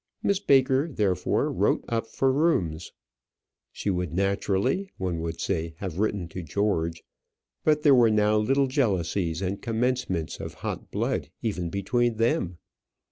Miss Baker therefore wrote up for rooms. She would naturally, one would say, have written to George, but there were now little jealousies and commencements of hot blood even between them.